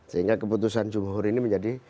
sehingga keputusan jumhur ini menjadi